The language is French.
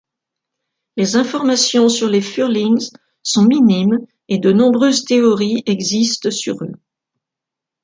Les informations sur les Furlings sont minimes et de nombreuses théories existent sur eux.